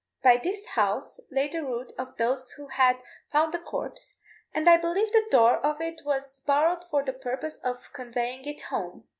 By this house lay the route of those who had found the corpse, and I believe the door of it was borrowed for the purpose of conveying it home.